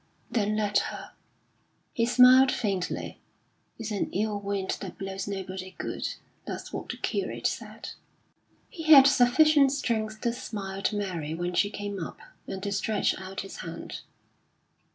"Then let her." He smiled faintly. "It's an ill wind that blows nobody good. That's what the curate said." He had sufficient strength to smile to Mary when she came up, and to stretch out his hand.